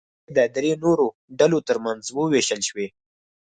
سلنه یې د درې نورو ډلو ترمنځ ووېشل شوې.